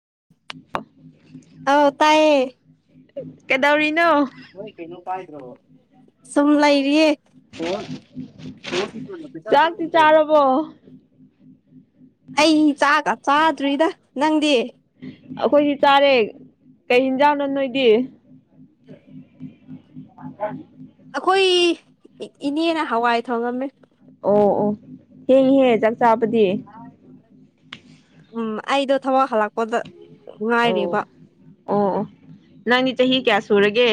[inaudible] ꯑꯥꯎ ꯇꯥꯏꯌꯦ ꯀꯩꯗꯧꯔꯤꯅꯣ ꯅꯣꯏ ꯀꯩꯅꯣ ꯄꯥꯏꯗ꯭ꯔꯣ ꯁꯨꯨꯝꯂ ꯏꯔꯤꯌꯦ ꯆꯥꯛ ꯇꯤ ꯆꯥꯔꯔꯕꯣ ꯑꯩ ꯆꯒ ꯆꯥꯗ꯭ꯔꯤꯗ ꯅꯪꯗꯤ ꯑꯩꯈꯣꯏꯗꯤ ꯆꯥꯔꯦ ꯀꯩ ꯍꯟꯖꯥꯡꯅꯣ ꯅꯣꯏꯗꯤ ꯎ ꯑꯩꯈꯣꯏ ꯏꯅꯦꯅ ꯍꯋꯥꯏ ꯊꯣꯡꯉꯝꯃꯦ ꯑꯣ ꯑꯣ ꯍꯦꯡꯍꯦꯦ ꯆꯥꯛ ꯆꯥꯕꯗꯤ ꯎꯝ ꯑꯩꯗꯣ ꯊꯕꯛ ꯍꯜꯂꯛꯄꯗ ꯉꯥꯏꯔꯤꯕ ꯑꯣ ꯑꯣ ꯑꯣ ꯅꯪꯗꯤ ꯆꯍꯤ ꯀꯌꯥ ꯁꯨꯔꯒꯦ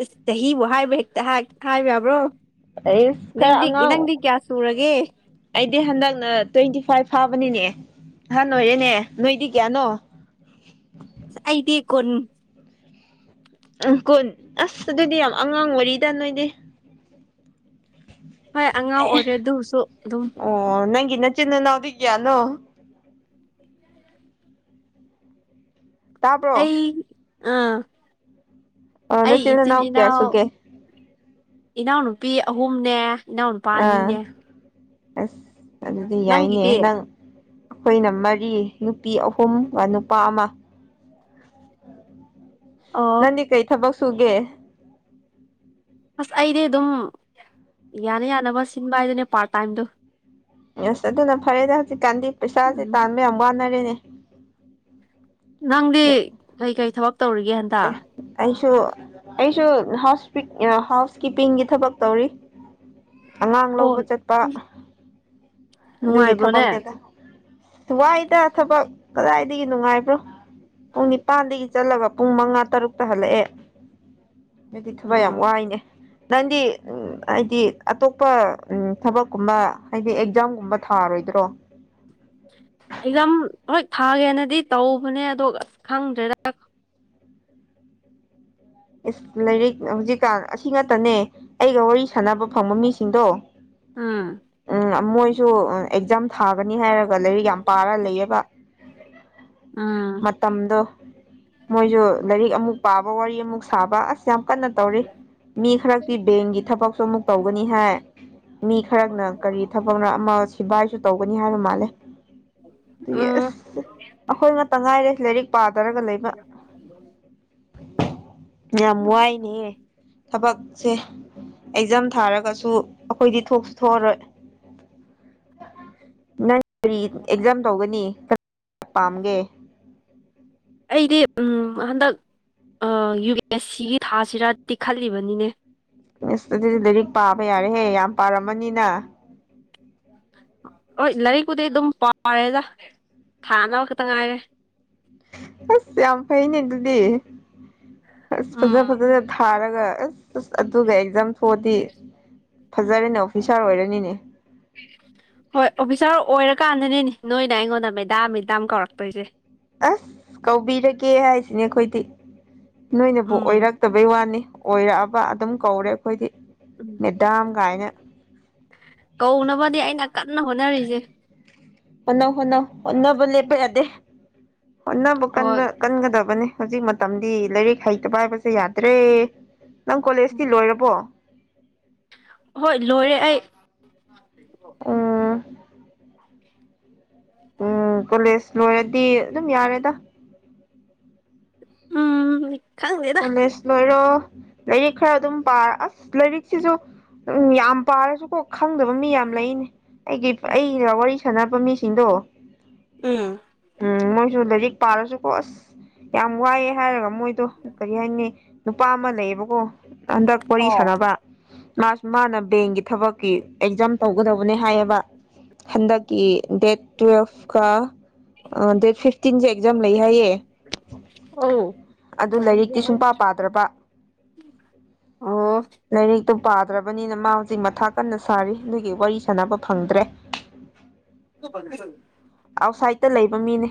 ꯑꯁ ꯆꯍꯤꯕꯨ ꯍꯥꯏꯕ ꯍꯦꯛꯇ ꯍꯥꯏꯕ ꯌꯥꯕ꯭ꯔꯣ ꯑꯩ ꯈꯔ ꯅꯪꯗꯤ ꯑꯉꯥꯡ ꯅꯪꯗꯤ ꯀꯌꯥ ꯁꯨꯔꯒꯦ ꯑꯩꯗꯤ ꯍꯟꯗꯛꯅ ꯇ꯭ꯋꯦꯟꯇꯤ ꯐꯥꯏꯚ ꯐꯥꯕ ꯕꯅꯤꯅꯦ ꯑꯍꯥꯟ ꯅ ꯑꯣꯏꯔꯦꯅꯦ ꯅꯣꯏꯗꯤ ꯀꯌꯥꯅꯣ ꯑꯩꯗꯤ ꯀꯅ ꯀꯨꯣꯟ ꯑꯁ ꯑꯗꯨꯗꯤ ꯌꯥꯝ ꯑꯉꯥꯡ ꯋꯥꯔꯤꯔꯤꯗ ꯅꯣꯏꯅꯦ ꯍꯣꯏ ꯑꯉꯥꯡ ꯑꯣꯏꯔꯦ ꯑꯗꯨꯁꯨ ꯑꯗꯨꯝ ꯏꯅ ꯆꯤꯟꯅꯅꯎꯗꯤꯒꯌꯥꯅꯣ ꯇꯥꯕ꯭ꯔꯣ ꯑꯩ ꯑꯥ ꯑꯣ ꯑꯩ ꯅꯆꯤꯟ ꯏꯆꯤꯟ ꯅꯅꯥꯎ ꯀꯌꯥ ꯏꯅꯥꯎ ꯁꯨꯒꯦ ꯏꯅꯥꯎꯅꯨꯄꯤ ꯑꯍꯨꯝꯅꯦ ꯏꯅꯥꯎꯅꯨꯄꯥ ꯑꯥ ꯑꯅꯤꯅꯦ ꯑꯁ ꯑꯗꯨꯗꯤ ꯌꯥꯏꯅꯦ ꯅꯪꯒꯤꯗꯤ ꯅ ꯅꯪ ꯑꯩꯈꯣꯏꯅ ꯃꯔꯤ ꯅꯨꯄꯤ ꯑꯍꯨꯝꯒ ꯅꯨꯄꯥ ꯑꯃ ꯑꯣ ꯅꯗꯤ ꯀꯩ ꯊꯕꯛ ꯁꯨꯒꯦ ꯑꯁ ꯑꯩꯗꯤ ꯑꯗꯨꯝ ꯌꯥꯅ ꯌꯥꯅꯕ ꯁꯤꯟꯕ ꯍꯥꯏꯗꯨꯅꯦ ꯄꯥꯔꯠ ꯇꯥꯏꯝꯗ ꯑꯁ ꯑꯗꯨꯅ ꯐꯔꯦꯅꯦ ꯍꯧꯖꯤꯛꯀꯥꯟꯗꯤ ꯄꯩꯁꯥꯁꯦ ꯎꯝ ꯇꯥꯟꯕ ꯌꯥꯝ ꯋꯥꯅꯔꯦꯅꯦ ꯅꯪꯗꯤ ꯀꯩꯀꯩ ꯊꯕꯛ ꯇꯧꯔꯤꯒꯦ ꯍꯟꯇꯥ ꯁꯨ ꯑꯩꯁꯨ ꯍꯥꯎꯁ ꯍꯥꯎꯁ ꯀꯤꯞꯄꯤꯡꯒꯤ ꯊꯕꯛ ꯇꯧꯔꯤ ꯑꯉꯥꯡ ꯑꯣ ꯂꯧꯕ ꯆꯠꯄ ꯑꯗꯨꯒꯤ ꯅꯨꯡꯉꯥꯏꯕ꯭ꯔꯣꯅꯦ ꯊꯕꯛꯅꯦꯗ ꯋꯥꯏꯗ ꯊꯕꯛ ꯀꯗꯥꯏꯗꯒꯤ ꯅꯨꯡꯉꯥꯏꯕ꯭ꯔꯣ ꯄꯨꯡ ꯅꯤꯄꯥꯥꯟꯗꯒꯤ ꯆꯠꯂꯒ ꯄꯨꯡ ꯃꯉꯥ ꯇꯔꯨꯛꯇ ꯍꯜꯂꯛꯑꯦ ꯅꯗꯤ ꯊꯕ ꯎꯝ ꯌꯥꯝ ꯋꯥꯏꯅꯦ ꯅꯪꯗꯤ ꯎ ꯍꯥꯏꯗꯤ ꯑꯇꯣꯞꯄ ꯎ ꯊꯕꯛꯀꯨꯝꯕ ꯍꯥꯏꯗꯤ ꯑꯦꯛꯖꯥꯝ ꯇꯝꯕ ꯊꯥꯔꯣꯏꯗ꯭ꯔꯣ ꯑꯦꯛꯖꯥꯝ ꯍꯣꯏ ꯊꯥꯒꯦꯅꯗꯤ ꯇꯧꯕꯅꯦ ꯑꯗꯣ ꯑꯁ ꯈꯪꯗ꯭ꯔꯦꯗ ꯏꯁ ꯂꯥꯏꯔꯤꯛ ꯍꯧꯖꯤꯛꯀꯥꯟ ꯑꯁꯤ ꯉꯛꯇꯅꯦ ꯑꯩꯒ ꯋꯥꯔꯤ ꯁꯥꯟꯅꯕ ꯐꯪꯕ ꯃꯤꯁꯤꯡꯗꯣ ꯎꯝ ꯎꯝ ꯃꯣꯏꯁꯨ ꯑꯦꯛꯖꯥꯝ ꯊꯥꯕ꯭ꯔꯥ ꯅꯤ ꯍꯥꯏꯔꯒ ꯂꯥꯏꯔꯤꯛ ꯌꯥꯝ ꯄꯥꯔ ꯂꯩꯌꯦꯕ ꯎꯝ ꯃꯇꯝꯗꯣ ꯃꯣꯏꯁꯨ ꯂꯥꯏꯔꯤꯛ ꯑꯃꯨꯛ ꯄꯥꯕ ꯋꯥꯔꯤ ꯑꯃꯨꯛ ꯁꯥꯕ ꯑꯁ ꯌꯥꯝ ꯀꯟꯅ ꯇꯧꯔꯤ ꯃꯤ ꯈꯔꯛꯇꯤ ꯕꯦꯡꯒꯤ ꯊꯕꯛꯁꯨ ꯑꯃꯨꯛ ꯇꯧꯒꯅꯤ ꯍꯥꯏ ꯃꯤ ꯈꯔꯛꯅ ꯀꯔꯤ ꯊꯕꯛꯅ ꯑꯃ ꯁꯤꯐꯏꯁꯨ ꯇꯧꯒꯅꯤ ꯍꯥꯏꯕ ꯃꯥꯜꯂꯦ ꯎꯝ ꯌꯦꯁ ꯑꯩꯈꯣꯏ ꯉꯇ ꯉꯥꯏꯔꯦ ꯂꯥꯏꯔꯤꯛ ꯄꯥ ꯀ ꯌꯥꯝ ꯋꯥꯏꯅꯦ ꯊꯕꯛ ꯁꯦ ꯑꯩꯖꯝ ꯊꯥꯔꯒꯁꯨ ꯑꯩꯈꯣꯏꯗꯤ ꯊꯣꯛꯁꯨ ꯊꯣꯛꯑꯔꯣꯏ ꯃꯪ ꯀꯔꯤ ꯑꯦꯛꯖꯥꯝ ꯇꯧꯒꯅꯤ ꯀ ꯄꯥꯝꯒꯦ ꯑꯩꯗꯤ ꯎꯝ ꯍꯟꯗꯛ ꯌꯨ ꯕꯤ ꯑꯦꯁ ꯁꯤꯒꯤ ꯊꯥꯁꯤꯔ ꯇꯤꯛꯈꯠꯂꯤꯕꯅꯤꯅꯦ ꯁꯇ ꯑꯗꯨꯗꯤ ꯂꯥꯏꯔꯤꯛ ꯄꯥꯕ ꯌꯥꯔꯦꯍꯦ ꯌꯥꯝ ꯄꯥꯔꯝꯃꯅꯤꯅ ꯍꯣꯏ ꯂꯥꯏꯔꯤꯛꯄꯨꯗꯤ ꯑꯗꯨꯝ ꯄꯥꯔꯦꯗ ꯊꯥꯅꯕ ꯈꯛꯇ ꯉꯥꯏꯔꯦ ꯑꯁ ꯌꯥꯝ ꯐꯩꯅꯦ ꯑꯗꯨꯗꯤ ꯑꯁ ꯎꯝ ꯐꯖ ꯐꯖꯅ ꯊꯥꯔꯒ ꯑꯗꯨꯒ ꯑꯁ ꯑꯁ ꯑꯗꯨꯒ ꯑꯦꯛꯖꯥꯝ ꯊꯣꯛꯑꯗꯤ ꯐꯖꯔꯅꯦ ꯑꯣꯐꯤꯁꯥꯔ ꯑꯣꯏꯔꯅꯤꯅꯦ ꯎ ꯍꯣꯏ ꯑꯣꯐꯤꯁꯥꯔ ꯑꯣꯏꯔꯀꯥꯟꯗꯅꯤꯅꯦ ꯅꯣꯏꯅ ꯑꯩꯉꯣꯟꯗ ꯃꯦꯗꯥꯝ ꯃꯦꯗꯥꯝ ꯀꯧꯔꯛꯇꯣꯏꯁꯦ ꯑꯁ ꯀꯧꯕꯤꯔꯒꯦ ꯍꯥꯏꯁꯤꯅꯦ ꯑꯩꯈꯣꯏꯗꯤ ꯅꯣꯏꯅꯕꯨ ꯎꯝ ꯑꯣꯏꯔꯛꯇꯕꯩ ꯋꯥꯅꯤ ꯑꯣꯏꯔꯛꯑꯕ ꯑꯗꯨꯝ ꯀꯧꯔꯦ ꯑꯩꯈꯣꯏꯗꯤ ꯎꯝ ꯃꯗꯥꯝ ꯀꯥꯏꯅ ꯀꯧꯅꯕꯗꯤ ꯑꯩꯅ ꯀꯟꯅ ꯍꯣꯠꯅꯔꯤꯁꯦ ꯍꯣꯠꯟꯅꯧ ꯍꯣꯟꯅꯧ ꯍꯣꯠꯅꯕ ꯂꯦꯞꯄ ꯌꯥꯗꯦ ꯍꯣꯠꯅꯕ ꯍꯣꯏ ꯀꯕ ꯀꯟꯒꯗꯕꯅꯤ ꯍꯧꯖꯤꯛ ꯃꯇꯝꯗꯤ ꯂꯥꯏꯔꯤꯛ ꯍꯩꯇꯕ ꯍꯥꯏꯕꯁꯦ ꯌꯥꯗ꯭ꯔꯦ ꯅꯪ ꯀꯣꯂꯦꯖꯇꯤ ꯂꯣꯏꯔꯕꯣ ꯍꯣꯏ ꯂꯣꯏꯔꯦ ꯑꯩ ꯑ ꯎꯝ ꯀꯣꯂꯦꯖ ꯂꯣꯏꯔꯗꯤ ꯑꯗꯨꯝ ꯌꯥꯔꯦꯗ ꯎꯝ ꯈꯪꯗꯦꯗ ꯀꯣꯂꯦꯖ ꯂꯣꯏꯔꯣ ꯂꯥꯏꯔꯤꯛ ꯈꯔ ꯑꯗꯨꯝ ꯄꯥꯔ ꯑꯁ ꯂꯥꯏꯔꯤꯛꯁꯤꯁꯨ ꯎꯝ ꯌꯥꯝ ꯄꯥꯔꯁꯨꯀꯣ ꯈꯪꯗꯕ ꯃꯤ ꯌꯥꯝ ꯂꯩꯅꯦ ꯑꯩꯒꯤ ꯑꯩꯒ ꯋꯥꯔꯤ ꯁꯥꯟꯅꯕ ꯃꯤꯁꯤꯡꯗꯣ ꯎꯝ ꯎꯝ ꯃꯣꯏꯁꯨ ꯂꯥꯏꯔꯤꯛ ꯄꯥꯔꯁꯨꯀꯣ ꯑꯁ ꯌꯥꯝ ꯋꯥꯏꯑꯦ ꯍꯥꯏꯔꯒ ꯃꯣꯏꯗꯣ ꯀꯔꯤ ꯍꯥꯏꯅꯤ ꯅꯨꯄꯥ ꯑꯃ ꯂꯩꯌꯦꯕꯀꯣ ꯍꯟꯗꯛ ꯋꯥꯔꯤ ꯑꯣ ꯁꯥꯟꯅꯕ ꯃꯥꯁꯨ ꯃꯥꯅ ꯕꯦꯡꯒꯤ ꯊꯕꯛꯀꯤ ꯑꯦꯛꯖꯥꯝ ꯇꯧꯒꯗꯕꯅꯦ ꯍꯥꯏꯌꯦꯕ ꯍꯟꯗꯛꯀꯤ ꯗꯦꯠ ꯇꯨꯋꯦꯜꯐꯀ ꯑ ꯗꯦꯠ ꯐꯤꯐꯇꯤꯟꯁꯦ ꯑꯦꯛꯖꯥꯝ ꯂꯩ ꯍꯥꯏꯌꯦ ꯑꯧ ꯑꯗꯨ ꯂꯥꯏꯔꯤꯛꯇꯤ ꯁꯨꯡ ꯄ ꯄꯥꯗ꯭ꯔꯕ ꯑꯣ ꯑꯗꯨ ꯄꯥꯗ꯭ꯔꯕꯅꯤꯅ ꯃꯥ ꯍꯧꯖꯤꯛ ꯃꯊꯥ ꯀꯟꯅ ꯁꯥꯔꯤ ꯅꯣꯏꯒꯤ ꯋꯥꯔꯤ ꯁꯥꯟꯅꯕ ꯐꯪꯗ꯭ꯔꯦ [unintelligible] ꯑꯥꯎꯠꯁꯥꯏꯗꯠꯇ ꯂꯩꯕ ꯃꯤꯅꯦ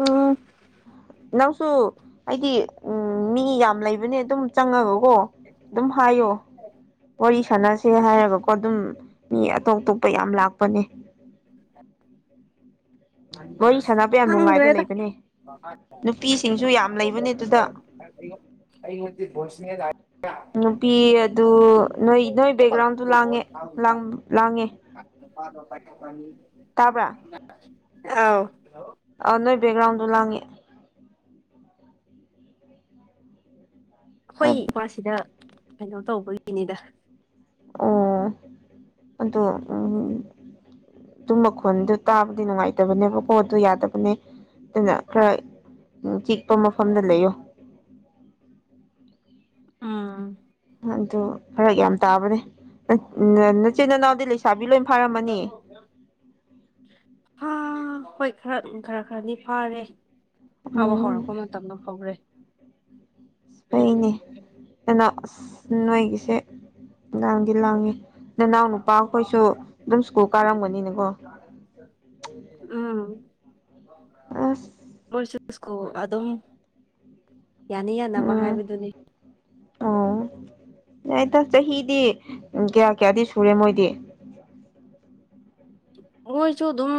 ꯑꯣ ꯅꯪꯁꯨ ꯍꯥꯏꯗꯤ ꯎ ꯎꯝ ꯃꯤ ꯌꯥꯝ ꯂꯩꯕꯅꯦ ꯑꯗꯨꯝ ꯆꯪꯉꯒꯀꯣ ꯑꯗꯨꯝ ꯍꯥꯏꯌꯣ ꯋꯥꯔꯤ ꯁꯥꯟꯅꯁꯦ ꯍꯥꯏꯔꯒꯀꯣ ꯑꯗꯨꯝ ꯃꯤ ꯑꯇꯣꯞ ꯑꯇꯣꯞꯄ ꯌꯥꯝ ꯂꯥꯛꯄꯅꯦ ꯋꯥꯔꯤ ꯁꯥꯟꯅꯕ ꯌꯥꯝ ꯅꯨꯡꯉꯥꯏꯕ ꯍꯪꯗꯦꯗ ꯂꯩꯕꯅꯦ ꯅꯨꯄꯤꯁꯤꯡꯁꯨ ꯌꯥꯝ ꯂꯩꯕꯅꯦ ꯣꯔꯣꯗ ꯑꯗꯨꯗ ꯑꯩ ꯃꯗꯤ ꯣꯁꯅꯦ ꯅꯨꯄꯤ ꯑꯗꯨ ꯅꯣꯏ ꯅꯣꯏ ꯕꯦꯛꯒ꯭ꯔꯥꯎꯟꯗ ꯂꯥꯡꯉꯦ ꯂꯥꯡꯉꯦ ꯇꯥꯕ꯭ꯔꯥ ꯑꯥꯎ ꯑ ꯅꯣꯏ ꯕꯦꯛꯒ꯭ꯔꯥꯎꯟꯗ ꯂꯥꯡꯉꯦ ꯍꯣꯏ ꯑꯣ ꯏꯄꯥꯁꯤꯗ ꯀꯩꯅꯣ ꯇꯧꯕꯒꯤꯅꯤꯗ ꯑꯣ ꯑꯣ ꯎꯝ ꯑꯗꯨꯝ ꯃꯈꯣꯟꯗꯣ ꯇꯥꯕ ꯗꯤ ꯅꯨꯡꯉꯥꯏꯇꯕꯅꯦꯕ ꯄꯣꯠ ꯑꯗꯨ ꯌꯥꯗꯕꯅꯦ ꯑꯗꯨꯅ ꯈꯔ ꯆꯤꯛꯄ ꯃꯐꯝꯗ ꯂꯩꯌꯣ [unintelligible] ꯑꯥ ꯑꯗꯨ ꯐꯔ ꯌꯥꯝ ꯇꯥꯕꯅꯦ ꯅꯆꯤꯟ ꯅꯅꯥꯎꯗꯤ ꯂꯩ ꯍꯥꯥ ꯍꯣꯏ ꯈꯔ ꯈꯔ ꯈꯔꯗꯤ ꯐꯥꯔꯦ ꯐꯥꯕ ꯎꯝ ꯍꯧꯔꯛꯄ ꯃꯇꯝꯗ ꯍꯧꯔꯦ ꯑ ꯐꯩꯅꯦ ꯀꯩꯅꯣ ꯑꯁ ꯅꯣꯏꯒꯤꯁꯦ ꯂꯥꯡꯗꯤ ꯂꯥꯡꯉꯤ ꯅꯅꯥꯎ ꯅꯨꯄꯥ ꯑꯩꯈꯣꯏꯁꯨ ꯑꯗꯨꯝ ꯁ꯭ꯀꯨꯜ ꯀꯥꯔꯝꯒꯅꯤꯅꯀꯣ ꯍ [inaudible] ꯁꯀꯣ ꯑꯗꯨꯝ ꯌꯥꯅ ꯌꯥꯅꯕ ꯍꯥꯏꯕꯗꯨꯅꯤ ꯑꯥ ꯌꯥꯏꯗ ꯆꯍꯤꯗꯤ ꯀꯌꯥ ꯀꯌꯥꯗꯤ ꯁꯨꯔꯦ ꯃꯣꯏꯗꯤ ꯃꯣꯏꯁꯨ ꯑꯗꯨꯝ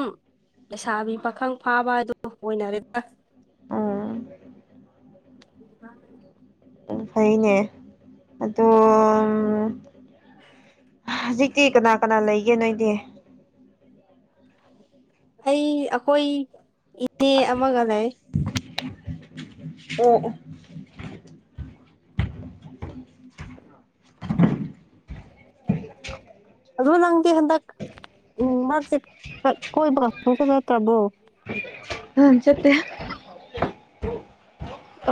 ꯂꯩꯁꯥꯕꯤ ꯄꯥꯈꯪ ꯐꯥꯕ ꯍꯥꯏꯗꯨ ꯑꯣꯏꯅꯔꯦꯗ ꯑꯥ [inaudible] ꯎ ꯐꯩꯅꯦ ꯑꯗꯣ ꯍꯧꯖꯤꯛꯇꯤ ꯀꯅꯥ ꯀꯅꯥ ꯂꯩꯒꯦ ꯅꯣꯏꯗꯤ ꯑꯩ ꯑꯩꯈꯣꯏ ꯏꯅꯦ ꯑꯃꯒ ꯂꯩ ꯑꯣ [inaudible] ꯑꯗꯨ ꯅꯪꯗꯤ ꯍꯟꯗꯛ ꯃꯔꯛꯁꯦ ꯀꯣꯏꯕꯒ ꯁꯨꯡꯆꯠ ꯆꯠꯇꯔꯕꯣ ꯑ ꯆꯠꯇꯦ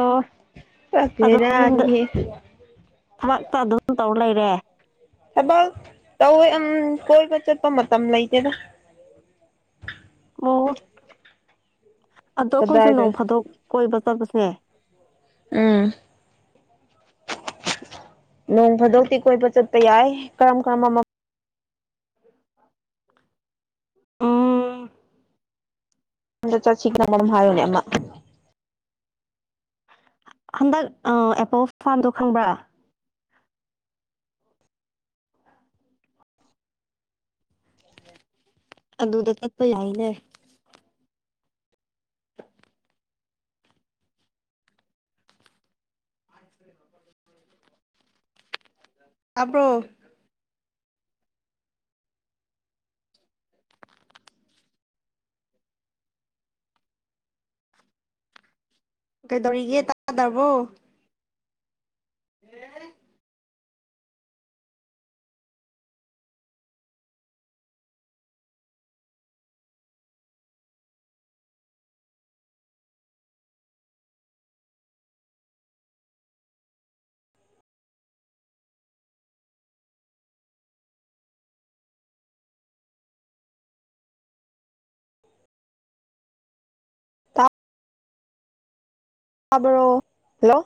ꯑꯣ ꯑ ꯑꯗꯨꯝ ꯌꯨꯝꯗ ꯕꯦꯔꯥꯅꯤꯍꯦ ꯊꯕꯛꯇ ꯑꯗꯨꯝ ꯇꯧꯔ ꯂꯩꯔꯦ ꯊꯕꯛ ꯇꯧꯋꯦ ꯑꯝ ꯀꯣꯏꯕ ꯆꯠꯄ ꯃꯇꯝ ꯂꯩꯇꯦꯗ ꯑꯣ ꯑꯗꯣ ꯑꯩꯈꯣꯏꯁꯨ ꯀꯗꯥꯏꯗ ꯅꯣꯡ ꯐꯥꯗꯣꯛ ꯀꯣꯏꯕ ꯆꯠꯄꯁ [inaudible] ꯑꯝ ꯅꯣꯡ ꯐꯥꯗꯧꯛꯇꯤ ꯀꯣꯏꯕ ꯆꯠꯄ ꯌꯥꯏ ꯀꯔꯝ ꯀꯔꯝꯕ ꯎꯝ ꯃꯝꯗ ꯆꯠꯁꯤꯛ ꯅꯪ ꯃꯔꯝ ꯍꯥꯏꯔꯨꯅꯦ ꯑꯃ ꯍꯟꯗꯛ ꯑꯦꯄꯜ ꯐꯥꯔꯝꯗꯣ ꯈꯪꯕ꯭ꯔꯥ ꯑꯗꯨꯗ ꯆꯠꯄ ꯌꯥꯏꯅꯦ [inaudible] ꯇꯕ꯭ꯔꯣ ꯀꯩꯗꯧꯔꯤꯒꯦ ꯇꯥꯗ꯭ꯔꯕꯣ ꯑꯦ ꯇꯕ꯭ꯔꯣ ꯍꯜꯂꯣ